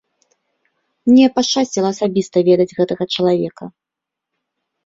Мне пашчасціла асабіста ведаць гэтага чалавека.